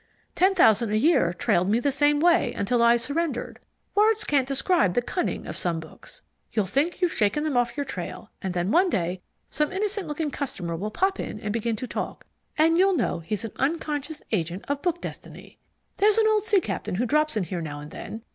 Ten Thousand a Year trailed me the same way until I surrendered. Words can't describe the cunning of some books. You'll think you've shaken them off your trail, and then one day some innocent looking customer will pop in and begin to talk, and you'll know he's an unconscious agent of book destiny. There's an old sea captain who drops in here now and then.